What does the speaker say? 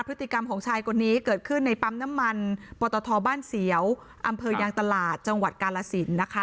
พฤติกรรมของชายคนนี้เกิดขึ้นในปั๊มน้ำมันปตทบ้านเสียวอำเภอยางตลาดจังหวัดกาลสินนะคะ